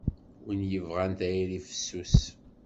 Win yebɣan tayri fessus.